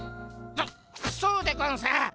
そそうでゴンス。